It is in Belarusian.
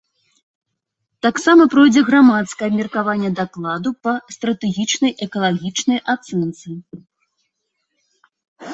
Таксама пройдзе грамадскае абмеркаванне дакладу па стратэгічнай экалагічнай ацэнцы.